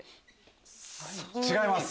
違います。